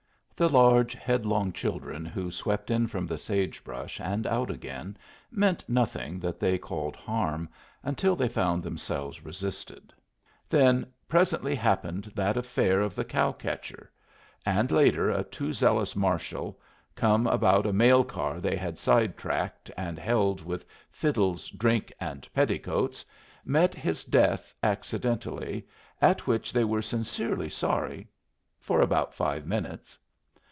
The large, headlong children who swept in from the sage brush and out again meant nothing that they called harm until they found themselves resisted. Then presently happened that affair of the cow catcher; and later a too zealous marshal, come about a mail car they had side tracked and held with fiddles, drink, and petticoats, met his death accidentally, at which they were sincerely sorry for about five minutes.